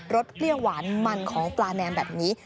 สเปรี้ยวหวานมันของปลาแนมแบบนี้